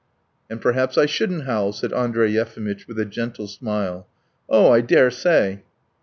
"And perhaps I shouldn't howl," said Andrey Yefimitch, with a gentle smile. "Oh, I dare say!